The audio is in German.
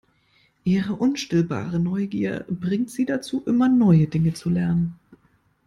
Ihre unstillbare Neugier bringt sie dazu, immer neue Dinge zu lernen.